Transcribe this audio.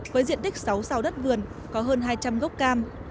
với diện tích sáu sao đất vườn có hơn hai trăm linh gốc cam